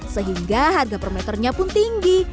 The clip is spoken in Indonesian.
sehingga harga per meternya pun tinggi